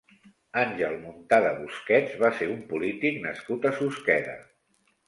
Àngel Muntada Busquets va ser un polític nascut a Susqueda.